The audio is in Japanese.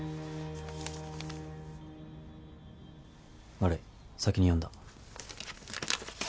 悪い先に読んだ。